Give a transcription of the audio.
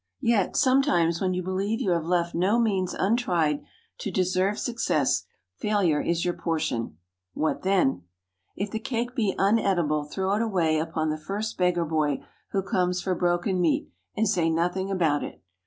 Yet, sometimes, when you believe you have left no means untried to deserve success, failure is your portion. What then? If the cake be uneatable, throw it away upon the first beggar boy who comes for broken meat, and say nothing about it.